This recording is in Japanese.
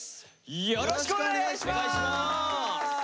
よろしくお願いします。